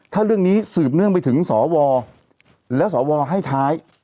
ถ้าเรื่องนี้สืบเนื่องไปถึงสวแล้วสวให้ท้าย